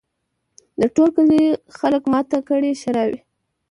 د ټول کلي خلک ماته کړي ښراوي